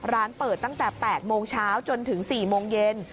ร้านเปิดตั้งแต่๘โมงเช้าจนถึง๔โมงเย็น